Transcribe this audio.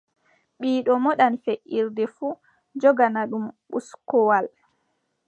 Biiɗo moɗan feʼirde fuu, jogana ɗum uskuwal.